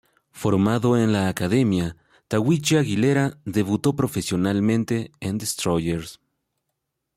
Formado en la Academia Tahuichi Aguilera, debutó profesionalmente en Destroyers.